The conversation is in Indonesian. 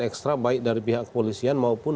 ekstra baik dari pihak kepolisian maupun